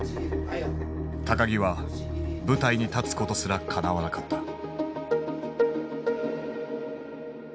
木は舞台に立つことすらかなわなかった。